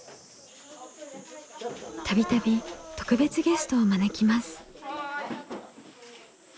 度々特別ゲストを招きます。